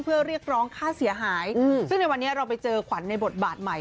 เพื่อเรียกร้องค่าเสียหายซึ่งในวันนี้เราไปเจอขวัญในบทบาทใหม่